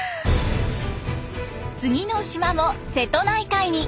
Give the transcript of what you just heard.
次の島も瀬戸内海に。